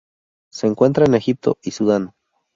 Se encuentra en Egipto y Sudán.